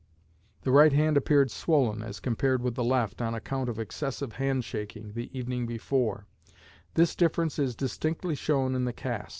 The right hand appeared swollen as compared with the left, on account of excessive hand shaking the evening before; this difference is distinctly shown in the cast.